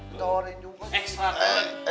kita tawarin juga